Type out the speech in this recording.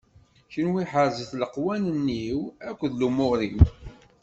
Kenwi ḥerzet leqwanen-iw akked lumuṛ-iw.